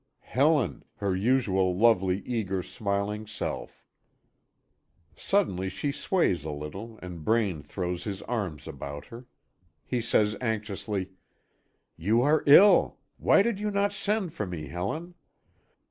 Helen! her usual lovely, eager, smiling self. Suddenly she sways a little, and Braine throws his arms about her. He says anxiously: "You are ill. Why did you not send for me, Helen?"